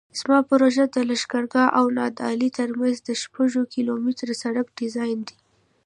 زما پروژه د لښکرګاه او نادعلي ترمنځ د شپږ کیلومتره سرک ډیزاین دی